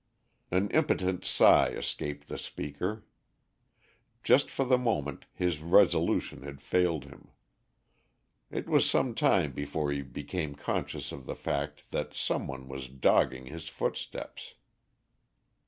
An impotent sigh escaped the speaker. Just for the moment his resolution had failed him. It was some time before he became conscious of the fact that some one was dogging his footsteps.